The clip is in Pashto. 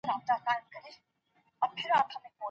د دواړو هیوادونو امنیت مهم دی.